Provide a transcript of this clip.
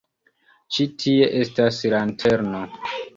Ĉi tie estas lanterno.